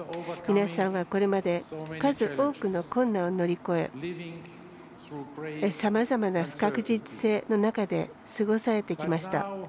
皆様は、これまで数多くの困難を乗り越えさまざまな不確実性の中で過ごされてきました。